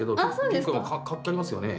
結構活気ありますよね。